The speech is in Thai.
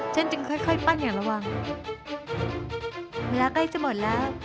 ฉันจึงค่อยค่อยปั้นอย่างระวังเวลาใกล้จะหมดแล้ว